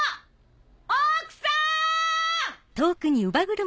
奥さん‼